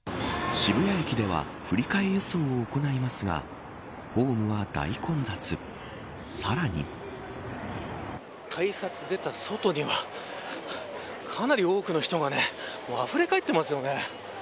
渋谷駅では振り替え輸送を行いますが改札出た外にはかなり多くの人があふれかえっていますよね。